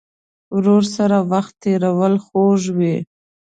ورور سره وخت تېرول خوږ وي.